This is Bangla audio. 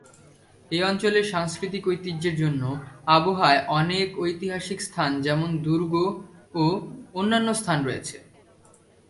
এই অঞ্চলের সাংস্কৃতিক ঐতিহ্যের জন্য আবহায় অনেক ঐতিহাসিক স্থান যেমন দুর্গ ও অন্যান্য স্থান রয়েছে।